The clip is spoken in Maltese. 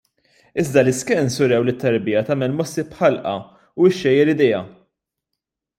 Iżda l-iscans urew lit-tarbija tagħmel mossi b'ħalqha u xxejjer idejha.